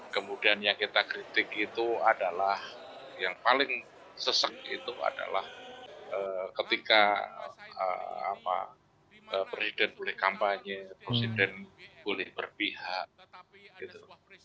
kemudian yang kita kritik itu adalah yang paling sesek itu adalah ketika presiden boleh kampanye presiden boleh berpihak